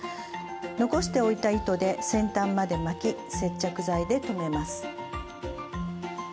残しておいた糸で先端まで巻き接着剤で留めます。